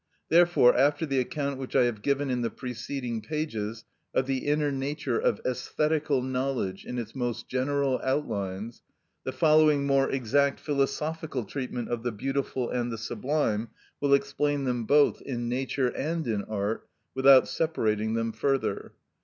Therefore, after the account which I have given in the preceding pages of the inner nature of æsthetical knowledge in its most general outlines, the following more exact philosophical treatment of the beautiful and the sublime will explain them both, in nature and in art, without separating them further.